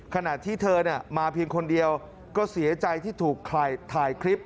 ขณะที่เธอมาเพียงคนเดียวก็เสียใจที่ถูกถ่ายคลิป